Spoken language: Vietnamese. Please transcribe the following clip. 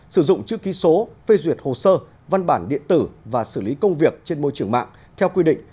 sử dụng chữ ký số phê duyệt hồ sơ văn bản điện tử và xử lý công việc trên môi trường mạng theo quy định